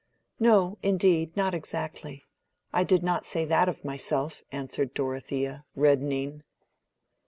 "No, indeed, not exactly. I did not say that of myself," answered Dorothea, reddening.